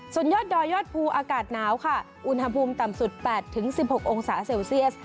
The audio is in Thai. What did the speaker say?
ส่วนยอดดอยยอดภูอากาศหนาวค่ะอุณหภูมิต่ำสุด๘๑๖องศาเซลเซียส